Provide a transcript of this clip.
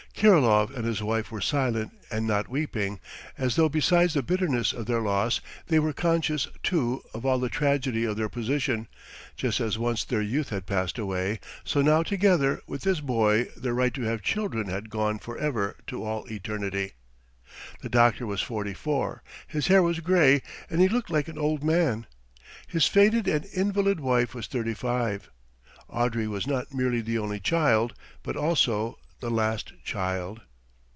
Kirilov and his wife were silent and not weeping, as though besides the bitterness of their loss they were conscious, too, of all the tragedy of their position; just as once their youth had passed away, so now together with this boy their right to have children had gone for ever to all eternity! The doctor was forty four, his hair was grey and he looked like an old man; his faded and invalid wife was thirty five. Andrey was not merely the only child, but also the last child.